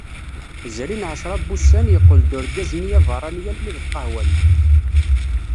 Zrin ɛecra n wussan, yeqqel-d urgaz-nni aberrani almi d lqahwa-nni.